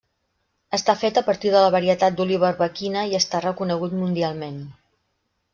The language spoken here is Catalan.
Està fet a partir de la varietat d'oliva arbequina, i està reconegut mundialment.